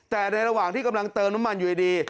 แต่ในระหว่างที่กำลังเติมน้ำมันอยู่ดี